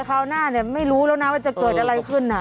คราวหน้าเนี่ยไม่รู้แล้วนะว่าจะเกิดอะไรขึ้น